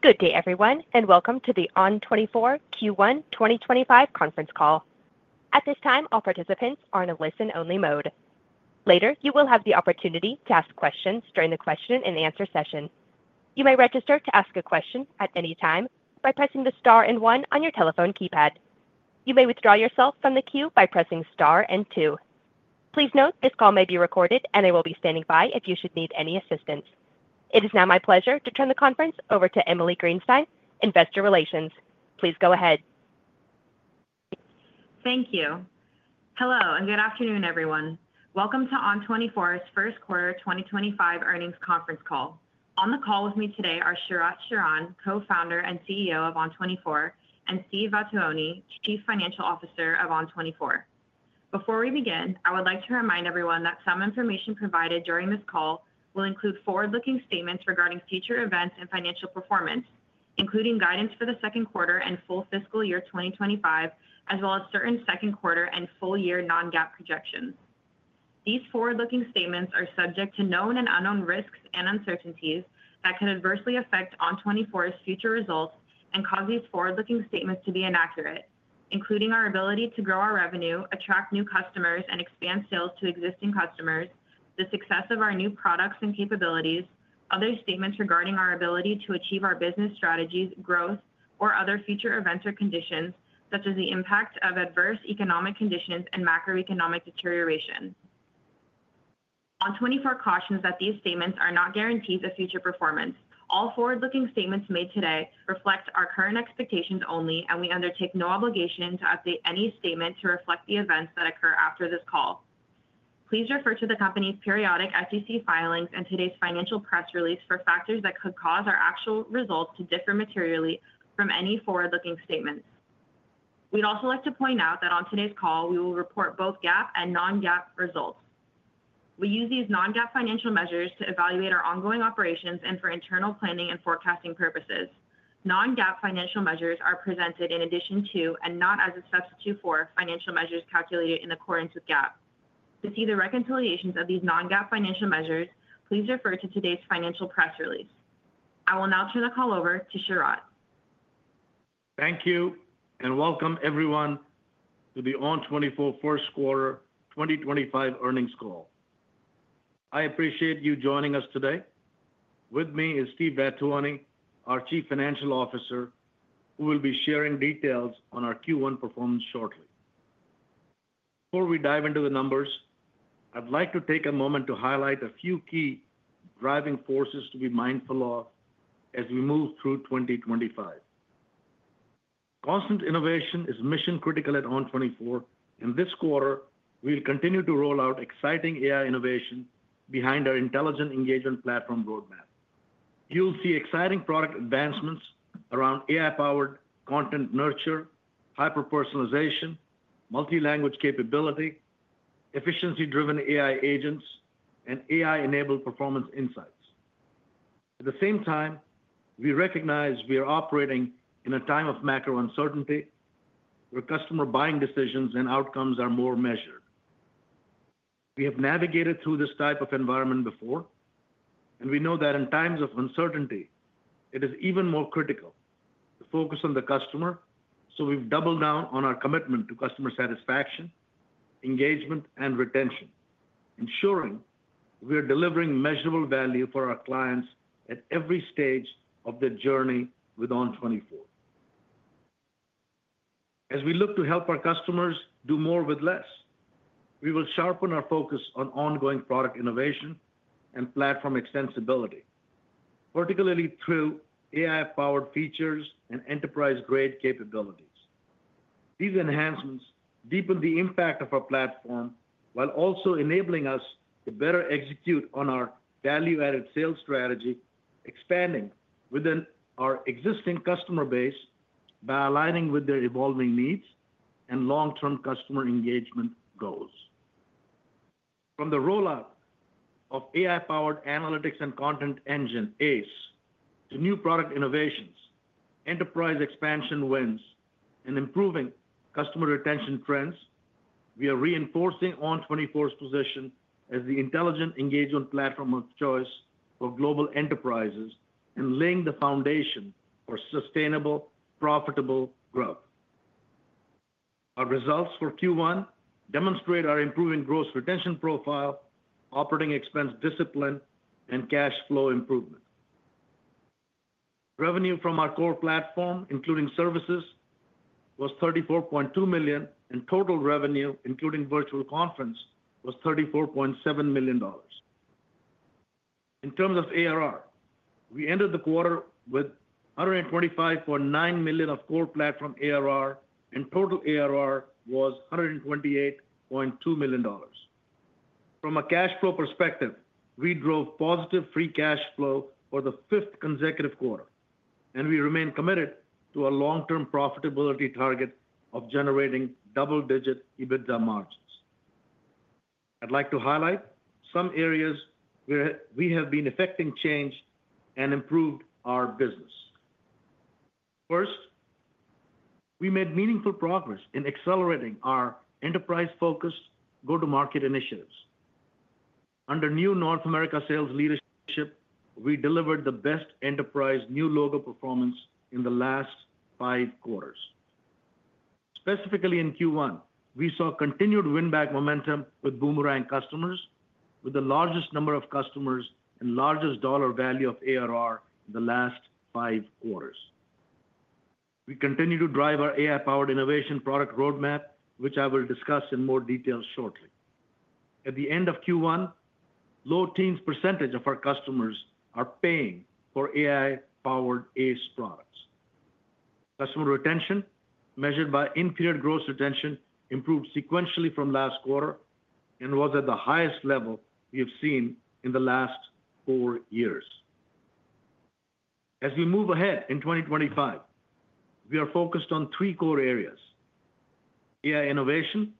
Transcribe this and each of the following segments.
Good day, everyone, and welcome to the ON24 Q1 2025 conference call. At this time, all participants are in a listen-only mode. Later, you will have the opportunity to ask questions during the question-and-answer session. You may register to ask a question at any time by pressing the star and one on your telephone keypad. You may withdraw yourself from the queue by pressing star and two. Please note this call may be recorded, and I will be standing by if you should need any assistance. It is now my pleasure to turn the conference over to Emily Greenstein, Investor Relations. Please go ahead. Thank you. Hello, and good afternoon, everyone. Welcome to ON24's first quarter 2025 earnings conference call. On the call with me today are Sharat Sharan, Co-founder and CEO of ON24, and Steve Vattuone, Chief Financial Officer of ON24. Before we begin, I would like to remind everyone that some information provided during this call will include forward-looking statements regarding future events and financial performance, including guidance for the second quarter and full fiscal year 2025, as well as certain second quarter and full-year non-GAAP projections. These forward-looking statements are subject to known and unknown risks and uncertainties that could adversely affect ON24's future results and cause these forward-looking statements to be inaccurate, including our ability to grow our revenue, attract new customers, and expand sales to existing customers, the success of our new products and capabilities, other statements regarding our ability to achieve our business strategies, growth, or other future events or conditions, such as the impact of adverse economic conditions and macroeconomic deterioration. ON24 cautions that these statements are not guarantees of future performance. All forward-looking statements made today reflect our current expectations only, and we undertake no obligation to update any statement to reflect the events that occur after this call. Please refer to the company's periodic SEC filings and today's financial press release for factors that could cause our actual results to differ materially from any forward-looking statements. We'd also like to point out that on today's call, we will report both GAAP and non-GAAP results. We use these non-GAAP financial measures to evaluate our ongoing operations and for internal planning and forecasting purposes. Non-GAAP financial measures are presented in addition to, and not as a substitute for, financial measures calculated in accordance with GAAP. To see the reconciliations of these non-GAAP financial measures, please refer to today's financial press release. I will now turn the call over to Sharat. Thank you, and welcome everyone to the ON24 first quarter 2025 earnings call. I appreciate you joining us today. With me is Steve Vattuone, our Chief Financial Officer, who will be sharing details on our Q1 performance shortly. Before we dive into the numbers, I'd like to take a moment to highlight a few key driving forces to be mindful of as we move through 2025. Constant innovation is mission-critical at ON24, and this quarter, we'll continue to roll out exciting AI innovation behind our intelligent engagement platform roadmap. You'll see exciting product advancements around AI-powered content nurture, hyper-personalization, multi-language capability, efficiency-driven AI agents, and AI-enabled performance insights. At the same time, we recognize we are operating in a time of macro uncertainty, where customer buying decisions and outcomes are more measured. We have navigated through this type of environment before, and we know that in times of uncertainty, it is even more critical to focus on the customer, so we've doubled down on our commitment to customer satisfaction, engagement, and retention, ensuring we are delivering measurable value for our clients at every stage of their journey with ON24. As we look to help our customers do more with less, we will sharpen our focus on ongoing product innovation and platform extensibility, particularly through AI-powered features and enterprise-grade capabilities. These enhancements deepen the impact of our platform while also enabling us to better execute on our value-added sales strategy, expanding within our existing customer base by aligning with their evolving needs and long-term customer engagement goals. From the rollout of AI-powered Analytics and Content Engine, ACE, to new product innovations, enterprise expansion wins, and improving customer retention trends, we are reinforcing ON24's position as the intelligent engagement platform of choice for global enterprises and laying the foundation for sustainable, profitable growth. Our results for Q1 demonstrate our improving gross retention profile, operating expense discipline, and cash flow improvement. Revenue from our core platform, including services, was $34.2 million, and total revenue, including virtual conference, was $34.7 million. In terms of ARR, we entered the quarter with $125.9 million of core platform ARR, and total ARR was $128.2 million. From a cash flow perspective, we drove positive free cash flow for the fifth consecutive quarter, and we remain committed to our long-term profitability target of generating double-digit EBITDA margins. I'd like to highlight some areas where we have been effecting change and improved our business. First, we made meaningful progress in accelerating our enterprise-focused go-to-market initiatives. Under new North America sales leadership, we delivered the best enterprise new logo performance in the last five quarters. Specifically in Q1, we saw continued win-back momentum with Boomerang customers, with the largest number of customers and largest dollar value of ARR in the last five quarters. We continue to drive our AI-powered innovation product roadmap, which I will discuss in more detail shortly. At the end of Q1, low teens % of our customers are paying for AI-powered ACE products. Customer retention, measured by inferior gross retention, improved sequentially from last quarter and was at the highest level we have seen in the last four years. As we move ahead in 2025, we are focused on three core areas: AI innovation,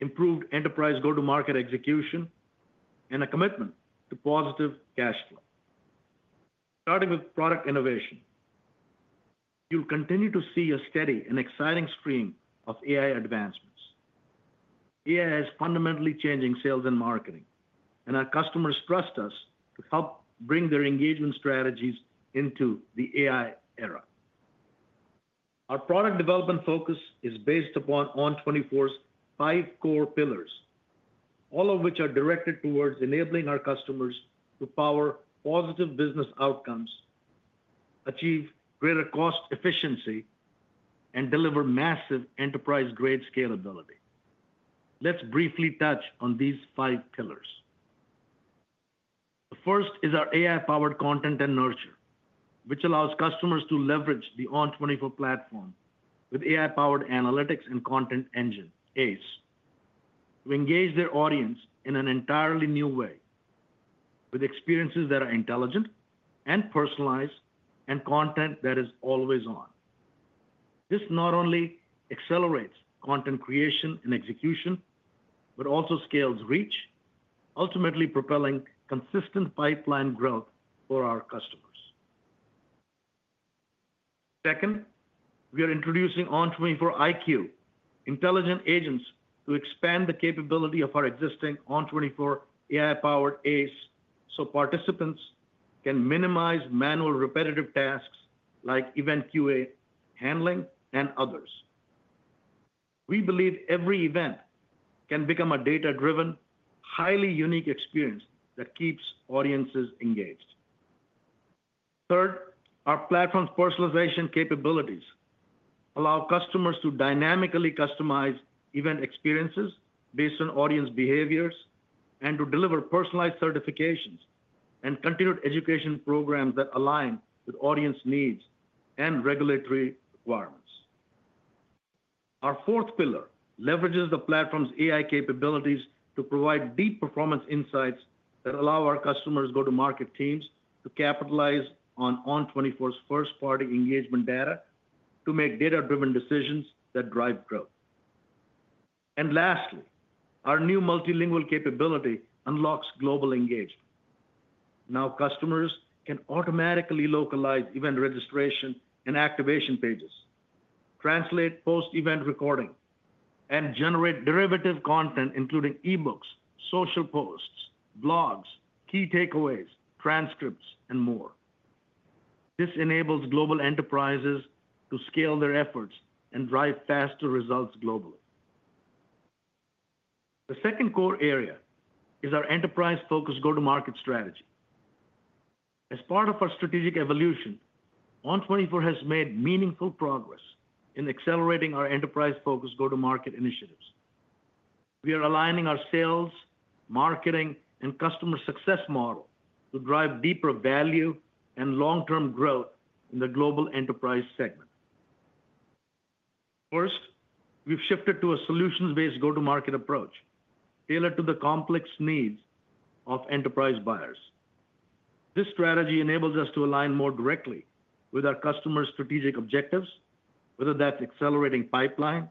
improved enterprise go-to-market execution, and a commitment to positive cash flow. Starting with product innovation, you'll continue to see a steady and exciting stream of AI advancements. AI is fundamentally changing sales and marketing, and our customers trust us to help bring their engagement strategies into the AI era. Our product development focus is based upon ON24's five core pillars, all of which are directed towards enabling our customers to power positive business outcomes, achieve greater cost efficiency, and deliver massive enterprise-grade scalability. Let's briefly touch on these five pillars. The first is our AI-powered content and nurture, which allows customers to leverage the ON24 platform with AI-powered Analytics and Content Engine, ACE, to engage their audience in an entirely new way, with experiences that are intelligent and personalized and content that is always on. This not only accelerates content creation and execution, but also scales reach, ultimately propelling consistent pipeline growth for our customers. Second, we are introducing ON24 IQ, intelligent agents to expand the capability of our existing ON24 AI-powered ACE, so participants can minimize manual repetitive tasks like event QA handling and others. We believe every event can become a data-driven, highly unique experience that keeps audiences engaged. Third, our platform's personalization capabilities allow customers to dynamically customize event experiences based on audience behaviors and to deliver personalized certifications and continued education programs that align with audience needs and regulatory requirements. Our fourth pillar leverages the platform's AI capabilities to provide deep performance insights that allow our customers' go-to-market teams to capitalize on ON24's first-party engagement data to make data-driven decisions that drive growth. Lastly, our new multilingual capability unlocks global engagement. Now customers can automatically localize event registration and activation pages, translate post-event recording, and generate derivative content, including eBooks, social posts, blogs, key takeaways, transcripts, and more. This enables global enterprises to scale their efforts and drive faster results globally. The second core area is our enterprise-focused go-to-market strategy. As part of our strategic evolution, ON24 has made meaningful progress in accelerating our enterprise-focused go-to-market initiatives. We are aligning our sales, marketing, and customer success model to drive deeper value and long-term growth in the global enterprise segment. First, we've shifted to a solutions-based go-to-market approach tailored to the complex needs of enterprise buyers. This strategy enables us to align more directly with our customers' strategic objectives, whether that's accelerating pipeline,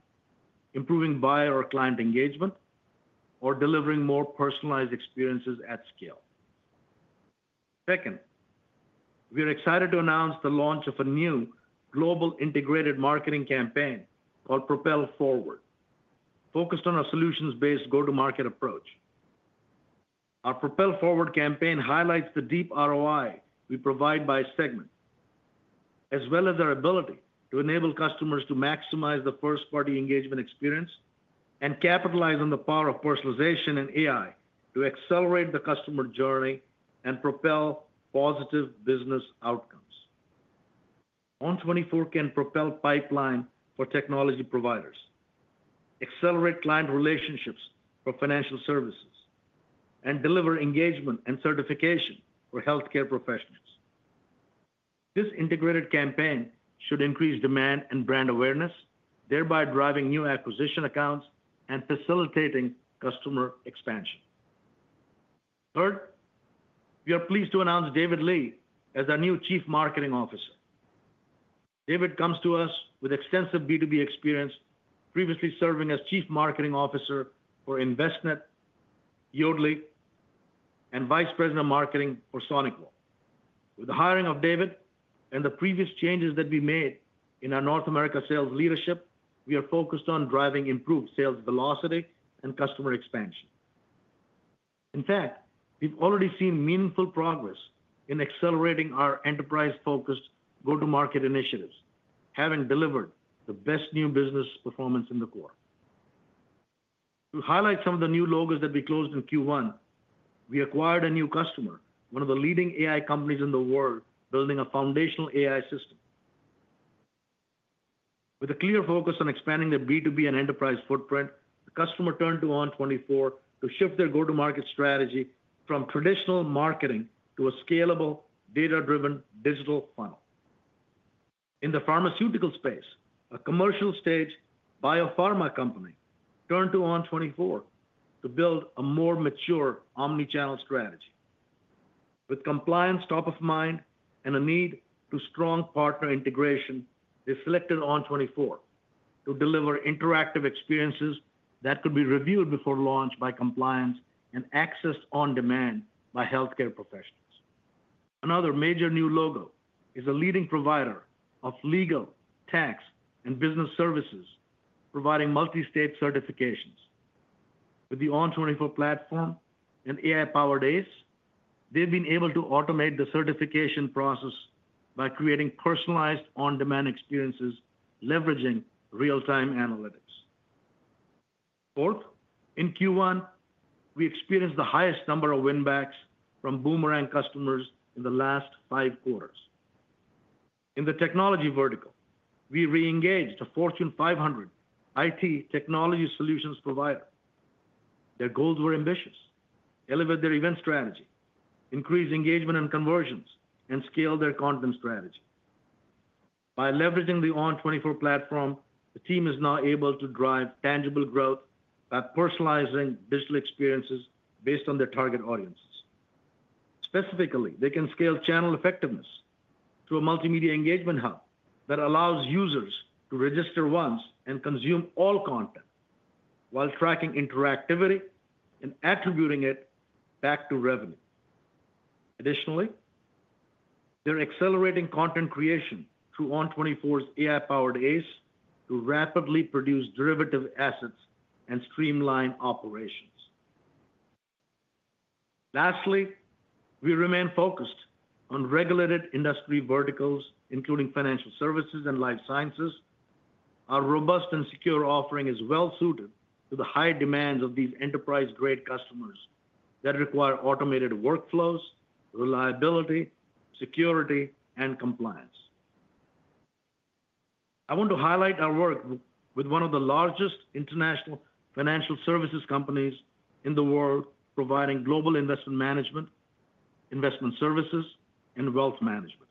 improving buyer or client engagement, or delivering more personalized experiences at scale. Second, we are excited to announce the launch of a new global integrated marketing campaign called Propel Forward, focused on our solutions-based go-to-market approach. Our Propel Forward campaign highlights the deep ROI we provide by segment, as well as our ability to enable customers to maximize the first-party engagement experience and capitalize on the power of personalization and AI to accelerate the customer journey and propel positive business outcomes. ON24 can propel pipeline for technology providers, accelerate client relationships for financial services, and deliver engagement and certification for healthcare professionals. This integrated campaign should increase demand and brand awareness, thereby driving new acquisition accounts and facilitating customer expansion. Third, we are pleased to announce David Lee as our new Chief Marketing Officer. David comes to us with extensive B2B experience, previously serving as Chief Marketing Officer for InvestNet, Yodely, and Vice President of Marketing for SonicWall. With the hiring of David and the previous changes that we made in our North America sales leadership, we are focused on driving improved sales velocity and customer expansion. In fact, we've already seen meaningful progress in accelerating our enterprise-focused go-to-market initiatives, having delivered the best new business performance in the quarter. To highlight some of the new logos that we closed in Q1, we acquired a new customer, one of the leading AI companies in the world, building a foundational AI system. With a clear focus on expanding their B2B and enterprise footprint, the customer turned to ON24 to shift their go-to-market strategy from traditional marketing to a scalable, data-driven digital funnel. In the pharmaceutical space, a commercial-stage biopharma company turned to ON24 to build a more mature omnichannel strategy. With compliance top of mind and a need for strong partner integration, they selected ON24 to deliver interactive experiences that could be reviewed before launch by compliance and accessed on demand by healthcare professionals. Another major new logo is a leading provider of legal, tax, and business services, providing multi-state certifications. With the ON24 platform and AI-powered ACE, they've been able to automate the certification process by creating personalized on-demand experiences, leveraging real-time analytics. Fourth, in Q1, we experienced the highest number of win-backs from Boomerang customers in the last five quarters. In the technology vertical, we re-engaged a Fortune 500 IT technology solutions provider. Their goals were ambitious: elevate their event strategy, increase engagement and conversions, and scale their content strategy. By leveraging the ON24 platform, the team is now able to drive tangible growth by personalizing digital experiences based on their target audiences. Specifically, they can scale channel effectiveness through a multimedia engagement hub that allows users to register once and consume all content while tracking interactivity and attributing it back to revenue. Additionally, they're accelerating content creation through ON24's AI-powered ACE to rapidly produce derivative assets and streamline operations. Lastly, we remain focused on regulated industry verticals, including financial services and life sciences. Our robust and secure offering is well-suited to the high demands of these enterprise-grade customers that require automated workflows, reliability, security, and compliance. I want to highlight our work with one of the largest international financial services companies in the world, providing global investment management, investment services, and wealth management.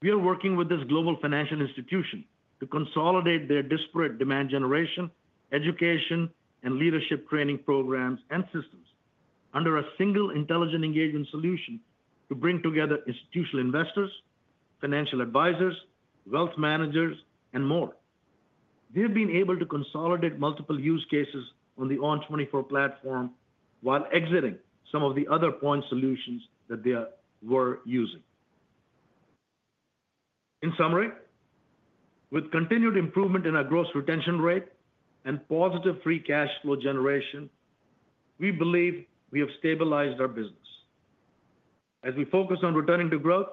We are working with this global financial institution to consolidate their disparate demand generation, education, and leadership training programs and systems under a single intelligent engagement solution to bring together institutional investors, financial advisors, wealth managers, and more. They've been able to consolidate multiple use cases on the ON24 platform while exiting some of the other point solutions that they were using. In summary, with continued improvement in our gross retention rate and positive free cash flow generation, we believe we have stabilized our business. As we focus on returning to growth,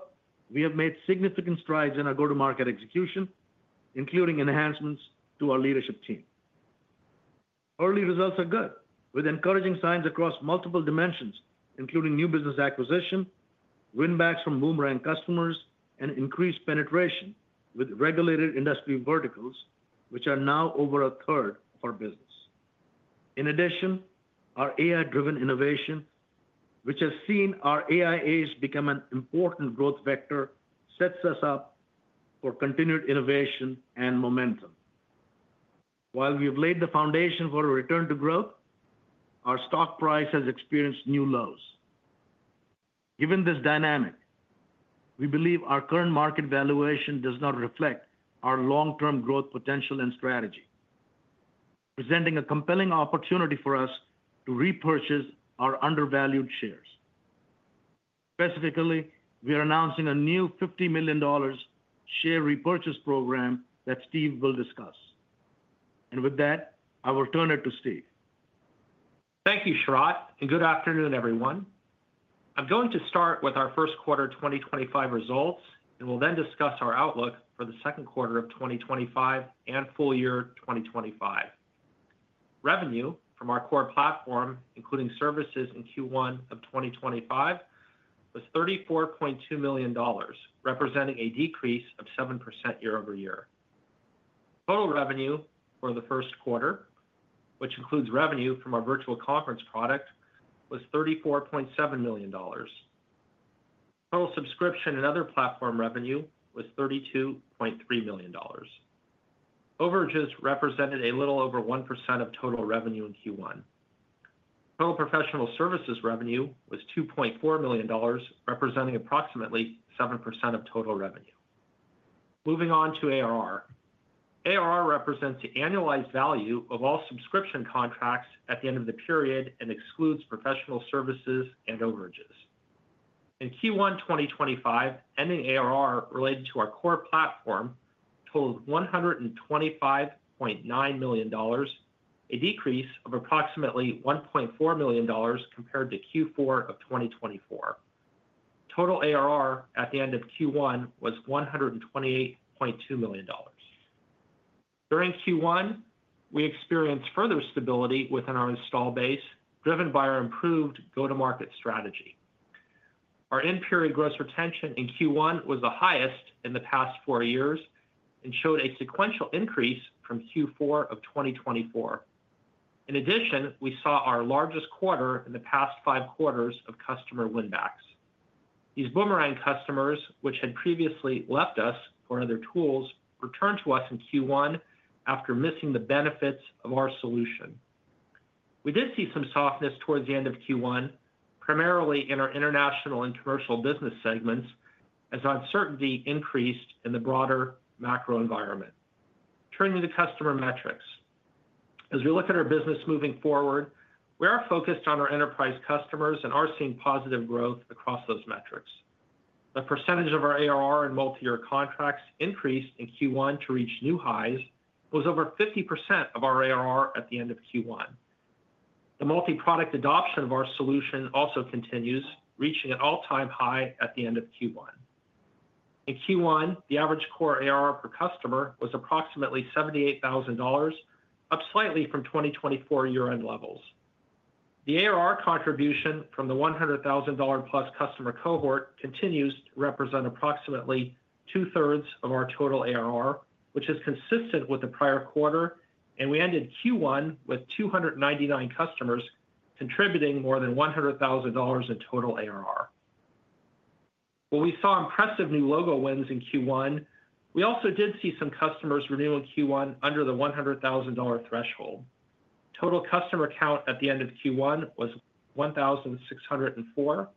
we have made significant strides in our go-to-market execution, including enhancements to our leadership team. Early results are good, with encouraging signs across multiple dimensions, including new business acquisition, win-backs from Boomerang customers, and increased penetration with regulated industry verticals, which are now over a third of our business. In addition, our AI-driven innovation, which has seen our AI ACE become an important growth vector, sets us up for continued innovation and momentum. While we have laid the foundation for a return to growth, our stock price has experienced new lows. Given this dynamic, we believe our current market valuation does not reflect our long-term growth potential and strategy, presenting a compelling opportunity for us to repurchase our undervalued shares. Specifically, we are announcing a new $50 million share repurchase program that Steve will discuss. With that, I will turn it to Steve. Thank you, Sharat, and good afternoon, everyone. I'm going to start with our first quarter 2025 results, and we'll then discuss our outlook for the second quarter of 2025 and full year 2025. Revenue from our core platform, including services in Q1 of 2025, was $34.2 million, representing a decrease of 7% year-over-year. Total revenue for the first quarter, which includes revenue from our virtual conference product, was $34.7 million. Total subscription and other platform revenue was $32.3 million. Overages represented a little over 1% of total revenue in Q1. Total professional services revenue was $2.4 million, representing approximately 7% of total revenue. Moving on to ARR. ARR represents the annualized value of all subscription contracts at the end of the period and excludes professional services and overages. In Q1 2025, ending ARR related to our core platform totaled $125.9 million, a decrease of approximately $1.4 million compared to Q4 of 2024. Total ARR at the end of Q1 was $128.2 million. During Q1, we experienced further stability within our install base, driven by our improved go-to-market strategy. Our end-period gross retention in Q1 was the highest in the past four years and showed a sequential increase from Q4 of 2024. In addition, we saw our largest quarter in the past five quarters of customer win-backs. These Boomerang customers, which had previously left us for other tools, returned to us in Q1 after missing the benefits of our solution. We did see some softness towards the end of Q1, primarily in our international and commercial business segments, as uncertainty increased in the broader macro environment. Turning to customer metrics, as we look at our business moving forward, we are focused on our enterprise customers and are seeing positive growth across those metrics. The percentage of our ARR in multi-year contracts increased in Q1 to reach new highs, was over 50% of our ARR at the end of Q1. The multi-product adoption of our solution also continues, reaching an all-time high at the end of Q1. In Q1, the average core ARR per customer was approximately $78,000, up slightly from 2024 year-end levels. The ARR contribution from the $100,000-plus customer cohort continues to represent approximately two-thirds of our total ARR, which is consistent with the prior quarter, and we ended Q1 with 299 customers contributing more than $100,000 in total ARR. While we saw impressive new logo wins in Q1, we also did see some customers renew in Q1 under the $100,000 threshold. Total customer count at the end of Q1 was 1,604.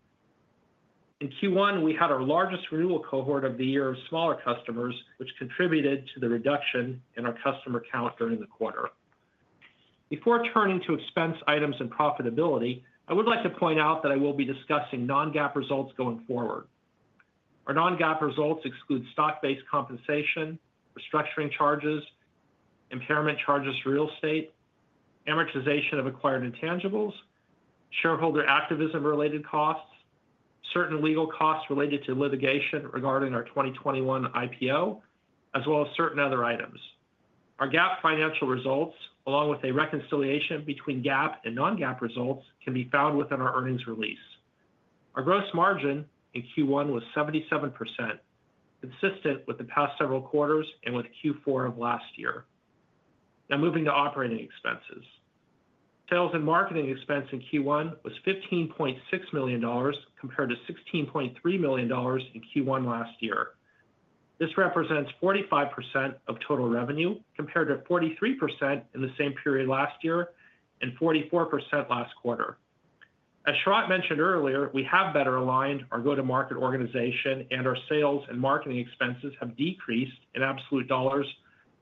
In Q1, we had our largest renewal cohort of the year of smaller customers, which contributed to the reduction in our customer count during the quarter. Before turning to expense items and profitability, I would like to point out that I will be discussing non-GAAP results going forward. Our non-GAAP results exclude stock-based compensation, restructuring charges, impairment charges for real estate, amortization of acquired intangibles, shareholder activism-related costs, certain legal costs related to litigation regarding our 2021 IPO, as well as certain other items. Our GAAP financial results, along with a reconciliation between GAAP and non-GAAP results, can be found within our earnings release. Our gross margin in Q1 was 77%, consistent with the past several quarters and with Q4 of last year. Now moving to operating expenses. Sales and marketing expense in Q1 was $15.6 million compared to $16.3 million in Q1 last year. This represents 45% of total revenue, compared to 43% in the same period last year and 44% last quarter. As Sharat mentioned earlier, we have better aligned our go-to-market organization, and our sales and marketing expenses have decreased in absolute dollars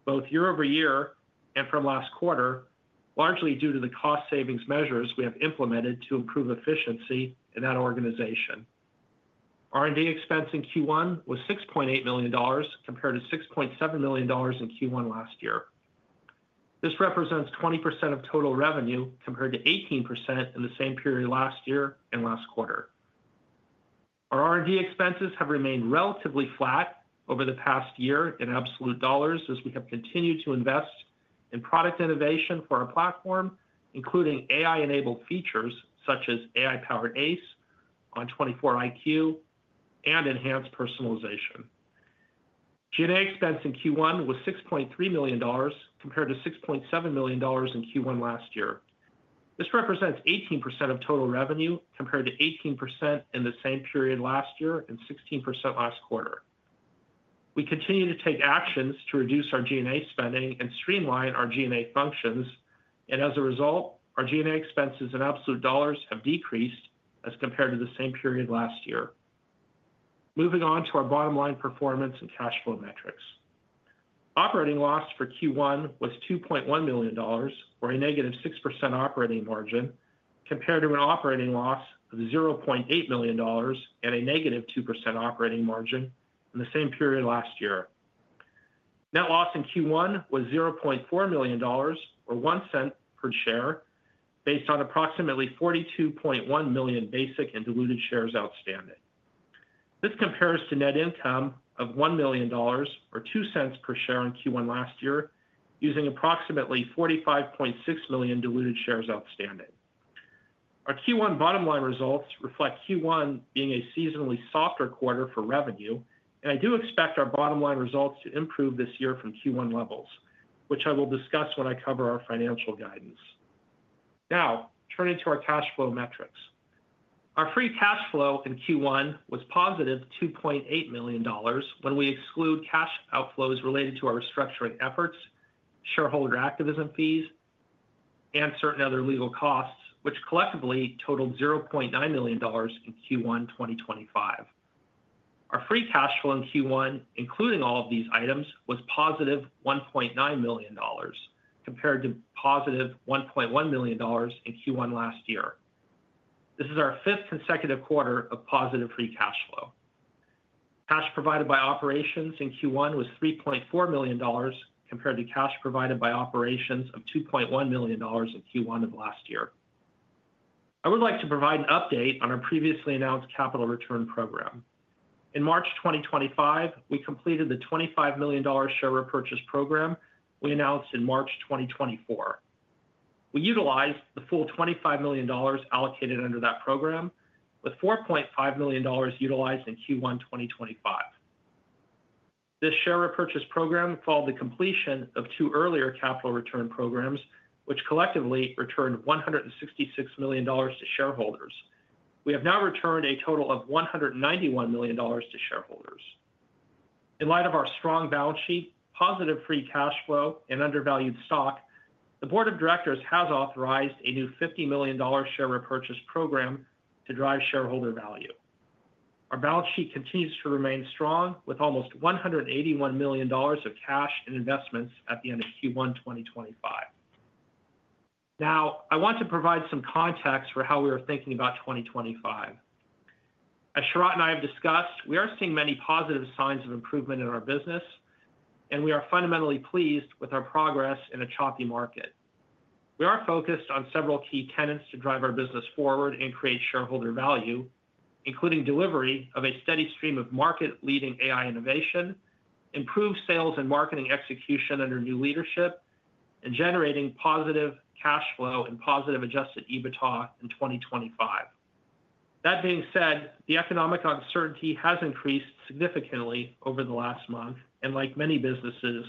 both year-over-year and from last quarter, largely due to the cost savings measures we have implemented to improve efficiency in that organization. R&D expense in Q1 was $6.8 million compared to $6.7 million in Q1 last year. This represents 20% of total revenue compared to 18% in the same period last year and last quarter. Our R&D expenses have remained relatively flat over the past year in absolute dollars as we have continued to invest in product innovation for our platform, including AI-enabled features such as AI-powered ACE, ON24 IQ, and enhanced personalization. G&A expense in Q1 was $6.3 million compared to $6.7 million in Q1 last year. This represents 18% of total revenue compared to 18% in the same period last year and 16% last quarter. We continue to take actions to reduce our G&A spending and streamline our G&A functions, and as a result, our G&A expenses in absolute dollars have decreased as compared to the same period last year. Moving on to our bottom-line performance and cash flow metrics. Operating loss for Q1 was $2.1 million, or a negative 6% operating margin, compared to an operating loss of $0.8 million and a negative 2% operating margin in the same period last year. Net loss in Q1 was $0.4 million, or 1 cent per share, based on approximately 42.1 million basic and diluted shares outstanding. This compares to net income of $1 million, or 2 cents per share in Q1 last year, using approximately 45.6 million diluted shares outstanding. Our Q1 bottom-line results reflect Q1 being a seasonally softer quarter for revenue, and I do expect our bottom-line results to improve this year from Q1 levels, which I will discuss when I cover our financial guidance. Now, turning to our cash flow metrics. Our free cash flow in Q1 was positive $2.8 million when we exclude cash outflows related to our restructuring efforts, shareholder activism fees, and certain other legal costs, which collectively totaled $0.9 million in Q1 2025. Our free cash flow in Q1, including all of these items, was positive $1.9 million compared to positive $1.1 million in Q1 last year. This is our fifth consecutive quarter of positive free cash flow. Cash provided by operations in Q1 was $3.4 million compared to cash provided by operations of $2.1 million in Q1 of last year. I would like to provide an update on our previously announced capital return program. In March 2025, we completed the $25 million share repurchase program we announced in March 2024. We utilized the full $25 million allocated under that program, with $4.5 million utilized in Q1 2025. This share repurchase program followed the completion of two earlier capital return programs, which collectively returned $166 million to shareholders. We have now returned a total of $191 million to shareholders. In light of our strong balance sheet, positive free cash flow, and undervalued stock, the board of directors has authorized a new $50 million share repurchase program to drive shareholder value. Our balance sheet continues to remain strong, with almost $181 million of cash and investments at the end of Q1 2025. Now, I want to provide some context for how we are thinking about 2025. As Sharat and I have discussed, we are seeing many positive signs of improvement in our business, and we are fundamentally pleased with our progress in a choppy market. We are focused on several key tenets to drive our business forward and create shareholder value, including delivery of a steady stream of market-leading AI innovation, improved sales and marketing execution under new leadership, and generating positive cash flow and positive adjusted EBITDA in 2025. That being said, the economic uncertainty has increased significantly over the last month, and like many businesses,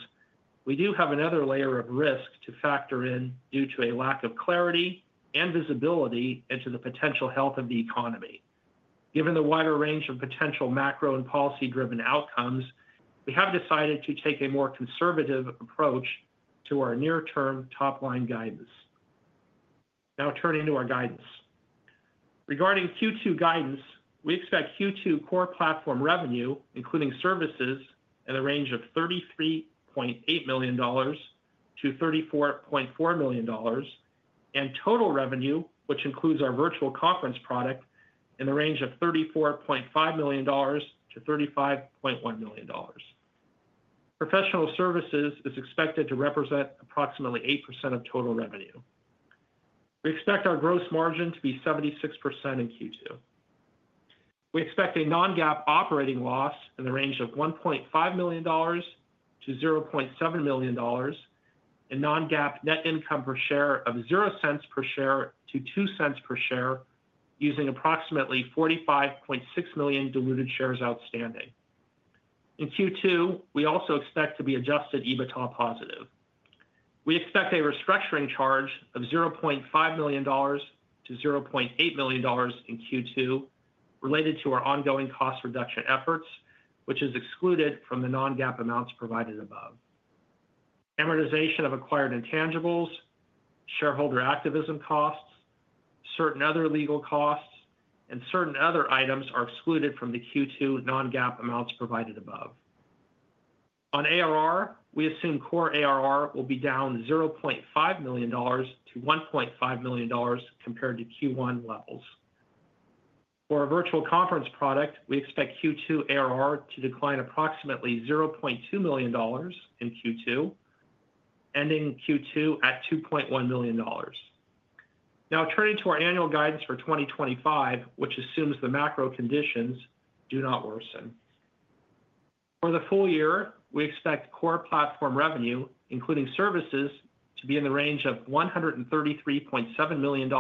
we do have another layer of risk to factor in due to a lack of clarity and visibility into the potential health of the economy. Given the wider range of potential macro and policy-driven outcomes, we have decided to take a more conservative approach to our near-term top-line guidance. Now, turning to our guidance. Regarding Q2 guidance, we expect Q2 core platform revenue, including services, in the range of $33.8 million-$34.4 million, and total revenue, which includes our virtual conference product, in the range of $34.5 million-$35.1 million. Professional services is expected to represent approximately 8% of total revenue. We expect our gross margin to be 76% in Q2. We expect a non-GAAP operating loss in the range of $1.5 million-$0.7 million, and non-GAAP net income per share of $0.00 per share to $0.00 per share, using approximately 45.6 million diluted shares outstanding. In Q2, we also expect to be adjusted EBITDA positive. We expect a restructuring charge of $0.5 million-$0.8 million in Q2 related to our ongoing cost reduction efforts, which is excluded from the non-GAAP amounts provided above. Amortization of acquired intangibles, shareholder activism costs, certain other legal costs, and certain other items are excluded from the Q2 non-GAAP amounts provided above. On ARR, we assume core ARR will be down $0.5 million-$1.5 million compared to Q1 levels. For our virtual conference product, we expect Q2 ARR to decline approximately $0.2 million in Q2, ending Q2 at $2.1 million. Now, turning to our annual guidance for 2025, which assumes the macro conditions do not worsen. For the full year, we expect core platform revenue, including services, to be in the range of $133.7 million-$136.7 million.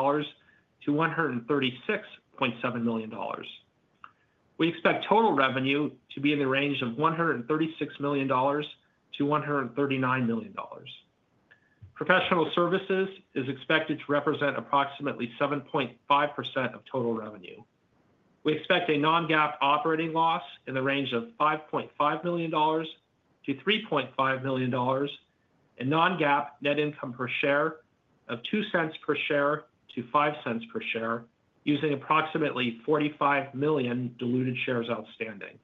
We expect total revenue to be in the range of $136 million-$139 million. Professional services is expected to represent approximately 7.5% of total revenue. We expect a non-GAAP operating loss in the range of $5.5 million-$3.5 million, and non-GAAP net income per share of $0.02-$0.05 per share, using approximately 45 million diluted shares outstanding.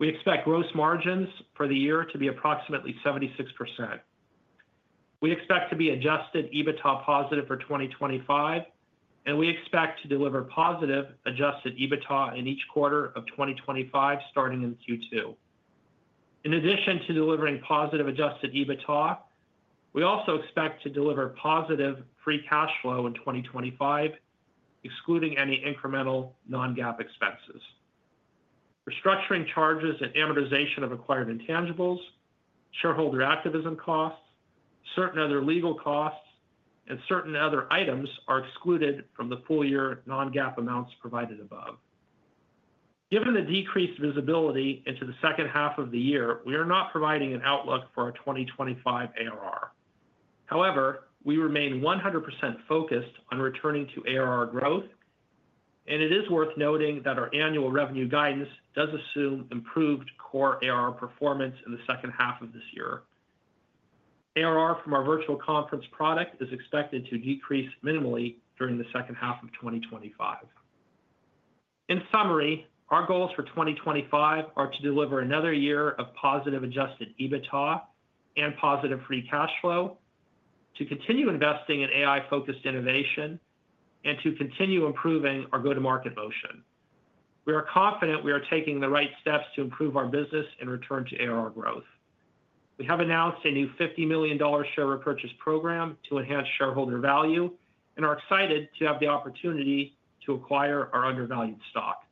We expect gross margins for the year to be approximately 76%. We expect to be adjusted EBITDA positive for 2025, and we expect to deliver positive adjusted EBITDA in each quarter of 2025 starting in Q2. In addition to delivering positive adjusted EBITDA, we also expect to deliver positive free cash flow in 2025, excluding any incremental non-GAAP expenses. Restructuring charges and amortization of acquired intangibles, shareholder activism costs, certain other legal costs, and certain other items are excluded from the full year non-GAAP amounts provided above. Given the decreased visibility into the second half of the year, we are not providing an outlook for our 2025 ARR. However, we remain 100% focused on returning to ARR growth, and it is worth noting that our annual revenue guidance does assume improved core ARR performance in the second half of this year. ARR from our virtual conference product is expected to decrease minimally during the second half of 2025. In summary, our goals for 2025 are to deliver another year of positive adjusted EBITDA and positive free cash flow, to continue investing in AI-focused innovation, and to continue improving our go-to-market motion. We are confident we are taking the right steps to improve our business and return to ARR growth. We have announced a new $50 million share repurchase program to enhance shareholder value and are excited to have the opportunity to acquire our undervalued stock.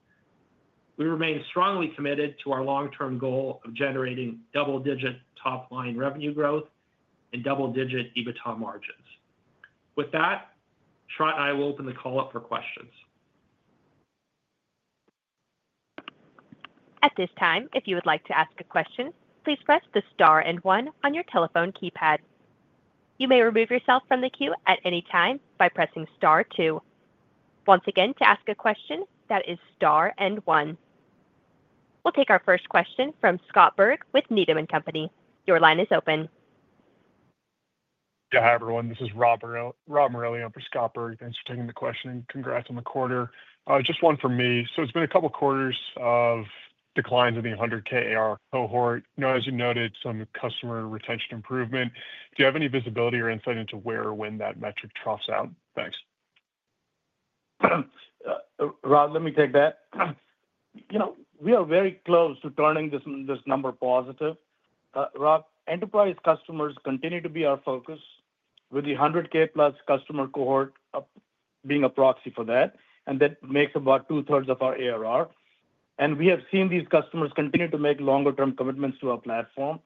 We remain strongly committed to our long-term goal of generating double-digit top-line revenue growth and double-digit EBITDA margins. With that, Sharat and I will open the call up for questions. At this time, if you would like to ask a question, please press the star and one on your telephone keypad. You may remove yourself from the queue at any time by pressing star two. Once again, to ask a question, that is star and one. We'll take our first question from Scott Berg with Needham & Company. Your line is open. Yeah, hi everyone. This is Rob Morelli on for Scott Berg. Thanks for taking the question and congrats on the quarter. Just one for me. So it's been a couple of quarters of declines in the 100K ARR cohort. As you noted, some customer retention improvement. Do you have any visibility or insight into where or when that metric troughs out? Thanks. Rob, let me take that. We are very close to turning this number positive. Rob, enterprise customers continue to be our focus, with the $100,000 plus customer cohort being a proxy for that, and that makes about two-thirds of our ARR. We have seen these customers continue to make longer-term commitments to our platform.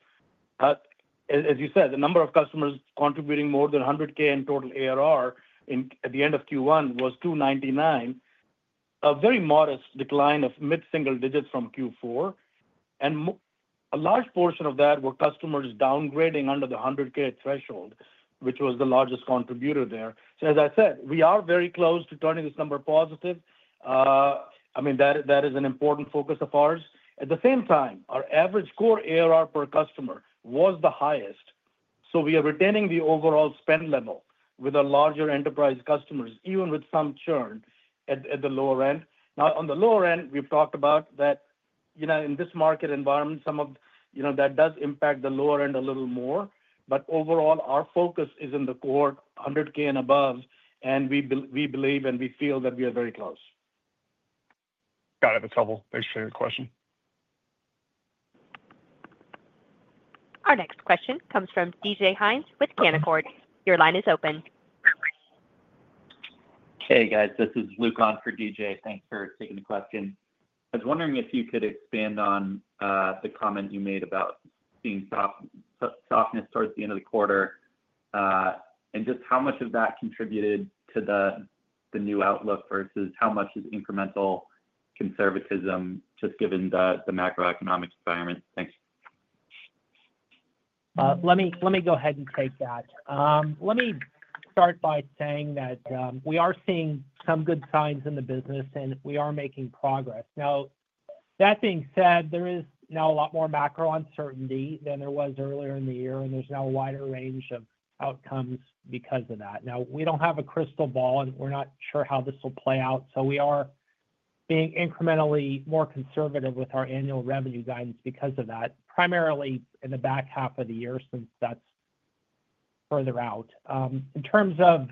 As you said, the number of customers contributing more than $100,000 in total ARR at the end of Q1 was 299, a very modest decline of mid-single digits from Q4. A large portion of that were customers downgrading under the $100,000 threshold, which was the largest contributor there. I mean, we are very close to turning this number positive. That is an important focus of ours. At the same time, our average core ARR per customer was the highest. We are retaining the overall spend level with our larger enterprise customers, even with some churn at the lower end. Now, on the lower end, we've talked about that in this market environment, some of that does impact the lower end a little more. Overall, our focus is in the core $100,000 and above, and we believe and we feel that we are very close. Got it. That's helpful. Thanks for your question. Our next question comes from DJ Hines with Canaccord. Your line is open. Hey, guys. This is Luke on for DJ. Thanks for taking the question. I was wondering if you could expand on the comment you made about seeing softness towards the end of the quarter and just how much of that contributed to the new outlook versus how much is incremental conservatism just given the macroeconomic environment. Thanks. Let me go ahead and take that. Let me start by saying that we are seeing some good signs in the business, and we are making progress. Now, that being said, there is now a lot more macro uncertainty than there was earlier in the year, and there is now a wider range of outcomes because of that. Now, we do not have a crystal ball, and we are not sure how this will play out. We are being incrementally more conservative with our annual revenue guidance because of that, primarily in the back half of the year since that is further out. In terms of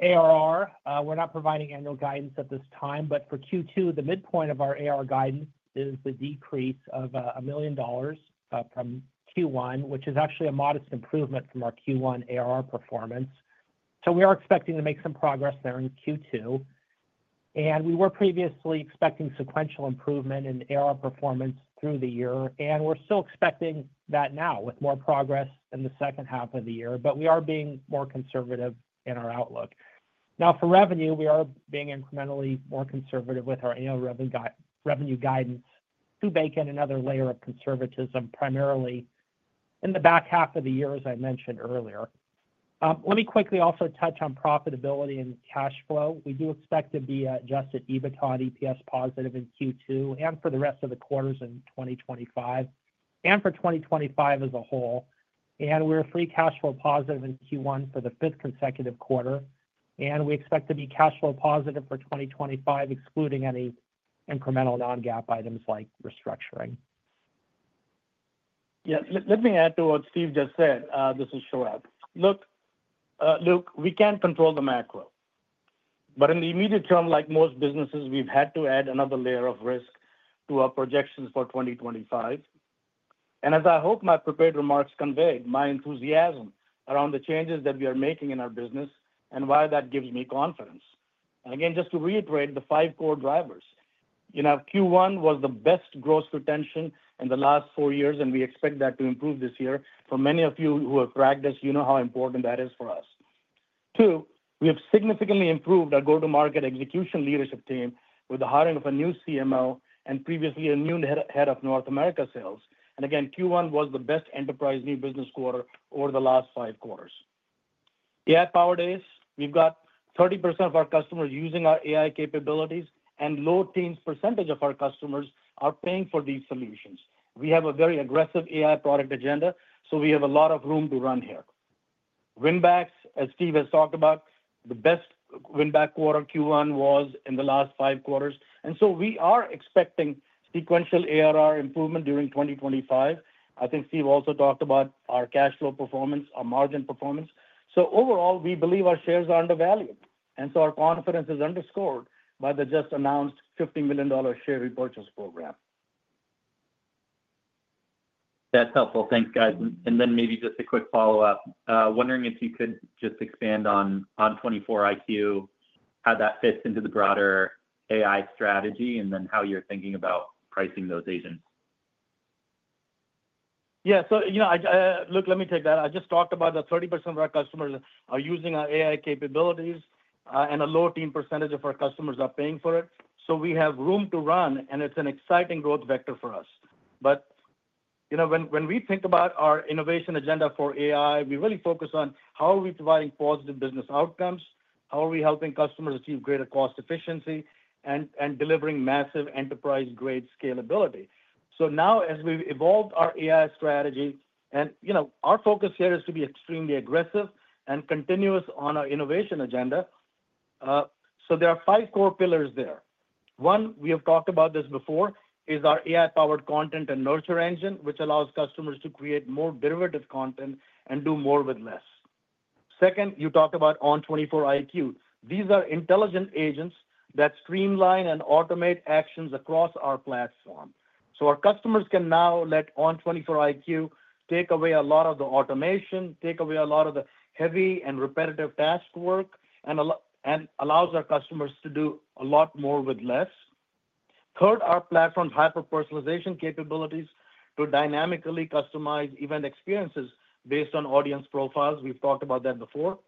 ARR, we are not providing annual guidance at this time, but for Q2, the midpoint of our ARR guidance is the decrease of $1 million from Q1, which is actually a modest improvement from our Q1 ARR performance. We are expecting to make some progress there in Q2. We were previously expecting sequential improvement in ARR performance through the year, and we're still expecting that now with more progress in the second half of the year. We are being more conservative in our outlook. For revenue, we are being incrementally more conservative with our annual revenue guidance to bake in another layer of conservatism, primarily in the back half of the year, as I mentioned earlier. Let me quickly also touch on profitability and cash flow. We do expect to be adjusted EBITDA and EPS positive in Q2 and for the rest of the quarters in 2025 and for 2025 as a whole. We're free cash flow positive in Q1 for the fifth consecutive quarter. We expect to be cash flow positive for 2025, excluding any incremental non-GAAP items like restructuring. Yeah. Let me add to what Steve just said. This is Sharat. Look, Luke, we can't control the macro. In the immediate term, like most businesses, we've had to add another layer of risk to our projections for 2025. As I hope my prepared remarks convey, my enthusiasm around the changes that we are making in our business and why that gives me confidence. Again, just to reiterate the five core drivers, Q1 was the best gross retention in the last four years, and we expect that to improve this year. For many of you who have practiced, you know how important that is for us. Two, we have significantly improved our go-to-market execution leadership team with the hiring of a new CMO and previously a new head of North America sales. Again, Q1 was the best enterprise new business quarter over the last five quarters. AI-powered is, we've got 30% of our customers using our AI capabilities, and low teens % of our customers are paying for these solutions. We have a very aggressive AI product agenda, so we have a lot of room to run here. Win-backs, as Steve has talked about, the best win-back quarter Q1 was in the last five quarters. We are expecting sequential ARR improvement during 2025. I think Steve also talked about our cash flow performance, our margin performance. Overall, we believe our shares are undervalued. Our confidence is underscored by the just announced $15 million share repurchase program. That's helpful. Thanks, guys. Maybe just a quick follow-up. Wondering if you could just expand on ON24 IQ, how that fits into the broader AI strategy and then how you're thinking about pricing those agents. Yeah. Let me take that. I just talked about the 30% of our customers are using our AI capabilities, and a low teen percentage of our customers are paying for it. We have room to run, and it's an exciting growth vector for us. When we think about our innovation agenda for AI, we really focus on how are we providing positive business outcomes, how are we helping customers achieve greater cost efficiency, and delivering massive enterprise-grade scalability. Now, as we've evolved our AI strategy, our focus here is to be extremely aggressive and continuous on our innovation agenda. There are five core pillars there. One, we have talked about this before, is our AI-powered content and nurture engine, which allows customers to create more derivative content and do more with less. Second, you talked about ON24 IQ. These are intelligent agents that streamline and automate actions across our platform. Our customers can now let ON24 IQ take away a lot of the automation, take away a lot of the heavy and repetitive task work, and allows our customers to do a lot more with less. Third, our platform's hyper-personalization capabilities to dynamically customize event experiences based on audience profiles. We've talked about that before.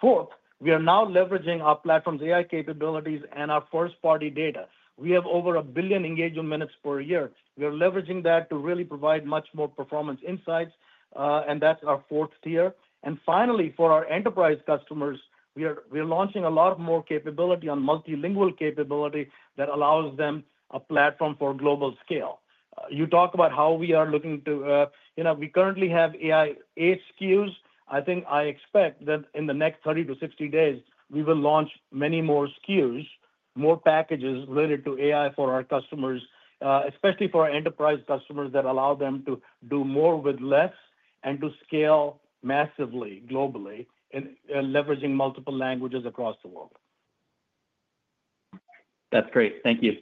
Fourth, we are now leveraging our platform's AI capabilities and our first-party data. We have over a billion engagement minutes per year. We are leveraging that to really provide much more performance insights, and that's our fourth tier. Finally, for our enterprise customers, we are launching a lot more capability on multilingual capability that allows them a platform for global scale. You talk about how we are looking to we currently have AI eight SKUs. I think I expect that in the next 30-60 days, we will launch many more SKUs, more packages related to AI for our customers, especially for our enterprise customers that allow them to do more with less and to scale massively globally, leveraging multiple languages across the world. That's great. Thank you.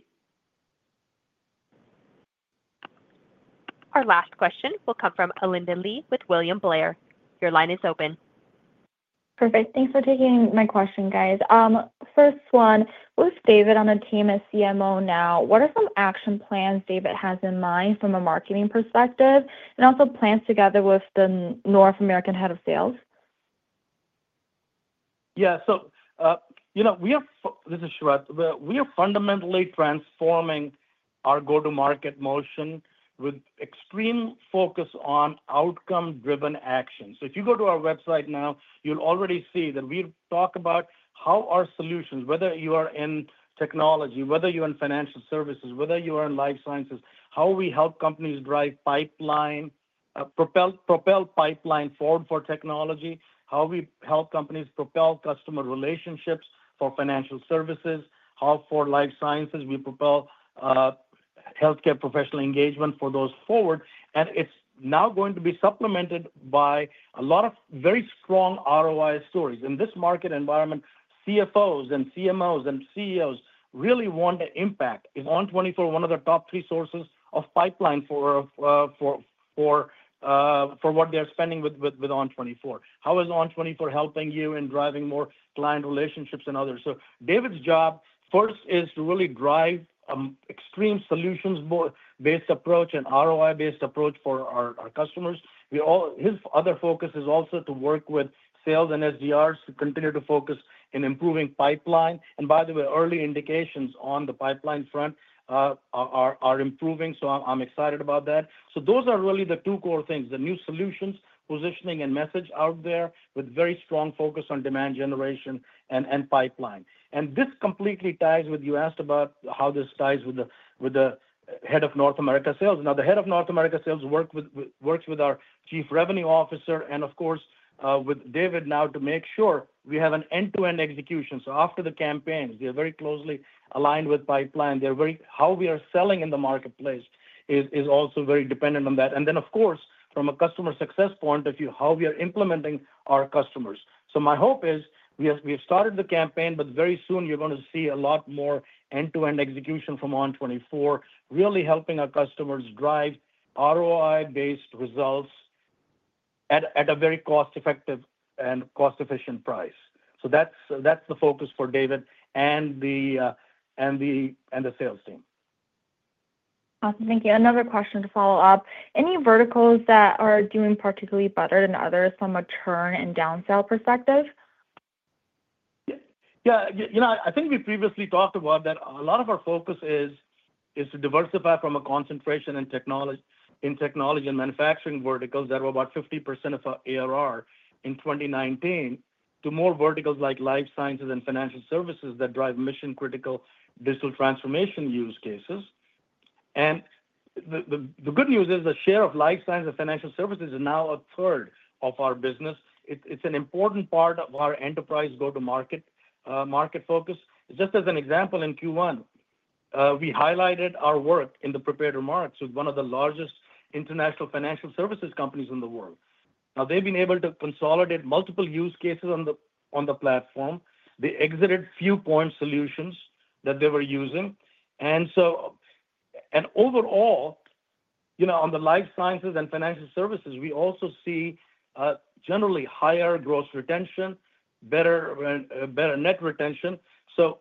Our last question will come from Alinda Li with William Blair. Your line is open. Perfect. Thanks for taking my question, guys. First one, with David on the team as CMO now, what are some action plans David has in mind from a marketing perspective and also plans together with the North American head of sales? Yeah. So we have this is Sharat. We are fundamentally transforming our go-to-market motion with extreme focus on outcome-driven action. If you go to our website now, you'll already see that we talk about how our solutions, whether you are in technology, whether you're in financial services, whether you are in life sciences, how we help companies drive pipeline, propel pipeline forward for technology, how we help companies propel customer relationships for financial services, how for life sciences we propel healthcare professional engagement for those forward. It is now going to be supplemented by a lot of very strong ROI stories. In this market environment, CFOs and CMOs and CEOs really want to impact. ON24, one of the top three sources of pipeline for what they're spending with ON24. How is ON24 helping you in driving more client relationships and others? David's job first is to really drive an extreme solutions-based approach and ROI-based approach for our customers. His other focus is also to work with sales and SDRs to continue to focus in improving pipeline. By the way, early indications on the pipeline front are improving, so I'm excited about that. Those are really the two core things: the new solutions, positioning, and message out there with very strong focus on demand generation and pipeline. This completely ties with you asked about how this ties with the head of North America sales. Now, the head of North America sales works with our Chief Revenue Officer and, of course, with David now to make sure we have an end-to-end execution. After the campaigns, they're very closely aligned with pipeline. How we are selling in the marketplace is also very dependent on that. From a customer success point of view, how we are implementing our customers. My hope is we have started the campaign, but very soon you're going to see a lot more end-to-end execution from ON24, really helping our customers drive ROI-based results at a very cost-effective and cost-efficient price. That's the focus for David and the sales team. Awesome. Thank you. Another question to follow up. Any verticals that are doing particularly better than others from a churn and downsell perspective? Yeah. I think we previously talked about that. A lot of our focus is to diversify from a concentration in technology and manufacturing verticals that were about 50% of our ARR in 2019 to more verticals like life sciences and financial services that drive mission-critical digital transformation use cases. The good news is the share of life sciences and financial services is now a third of our business. It's an important part of our enterprise go-to-market focus. Just as an example, in Q1, we highlighted our work in the prepared remarks with one of the largest international financial services companies in the world. Now, they've been able to consolidate multiple use cases on the platform. They exited few point solutions that they were using. Overall, on the life sciences and financial services, we also see generally higher gross retention, better net retention.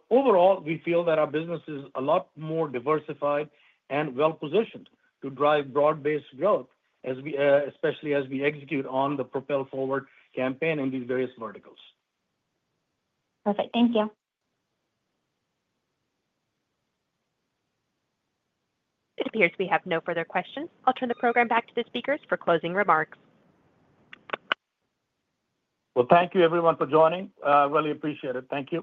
Overall, we feel that our business is a lot more diversified and well-positioned to drive broad-based growth, especially as we execute on the propel forward campaign in these various verticals. Perfect. Thank you. It appears we have no further questions. I'll turn the program back to the speakers for closing remarks. Thank you, everyone, for joining. Really appreciate it. Thank you.